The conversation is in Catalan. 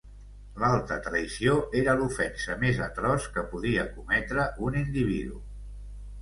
L'alta traïció era l'ofensa més atroç que podia cometre un individu.